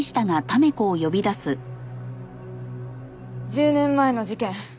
１０年前の事件